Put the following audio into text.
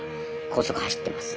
高速走ってます。